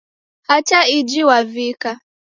Hata iji Wavika